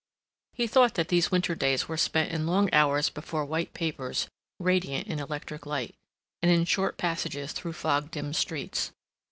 He thought that these winter days were spent in long hours before white papers radiant in electric light; and in short passages through fog dimmed streets.